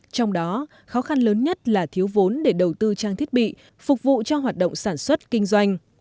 trong đó khó khăn lớn nhất là thiếu vốn để đầu tư trang thiết bị phục vụ cho hoạt động sản xuất kinh doanh